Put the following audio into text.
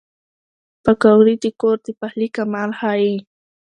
پکورې د کور د پخلي کمال ښيي